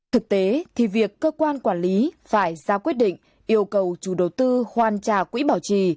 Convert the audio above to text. thực tế thì việc cơ quan quản lý phải ra quyết định yêu cầu chủ đầu tư hoàn trả quỹ bảo trì